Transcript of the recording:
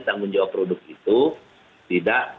tanggung jawab produk itu tidak